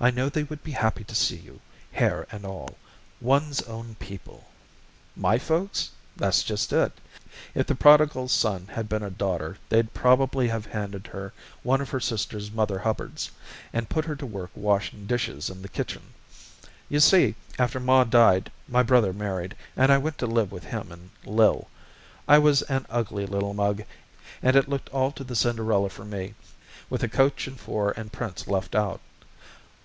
I know they would be happy to see you, hair and all. One's own people " "My folks? That's just it. If the Prodigal Son had been a daughter they'd probably have handed her one of her sister's mother hubbards, and put her to work washing dishes in the kitchen. You see, after Ma died my brother married, and I went to live with him and Lil. I was an ugly little mug, and it looked all to the Cinderella for me, with the coach, and four, and prince left out.